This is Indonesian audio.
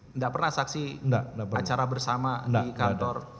tidak pernah saksi acara bersama di kantor